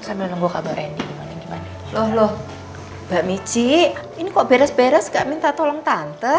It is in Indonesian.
karena nunggu kabar endy gimana gimana loh loh mbak mici ini kok beres beres gak minta tolong tante